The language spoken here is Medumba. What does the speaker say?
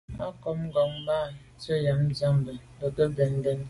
A côb ngòn mɑ̂ ɑ̀b ndʉ̂ Nzə̀ ɑ̌m Ndiagbin, bə̀ kə bɛ̀n ke.